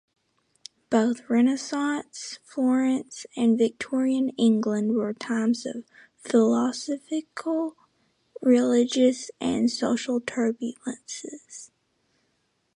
Both Renaissance Florence and Victorian England were times of philosophical, religious and social turbulence.